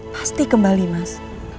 pasti kembali mas